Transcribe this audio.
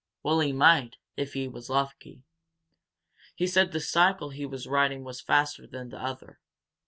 "Well, he might, if he was lucky. He said the cycle he was riding was faster than the other.